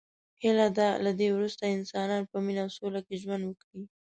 هیله ده له دی وروسته انسانان په مینه او سوله کې ژوند وکړي.